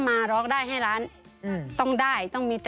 สวัสดีค่ะสวัสดีค่ะ